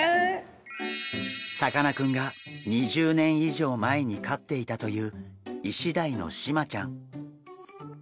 さかなクンが２０年以上前に飼っていたというイシダイのシマちゃん。